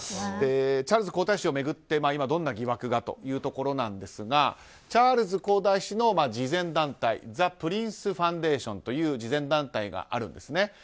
チャールズ皇太子を巡って今、どんな疑惑がというところですがチャールズ皇太子のザ・プリンス・ファウンデーションという慈善団体があるんです。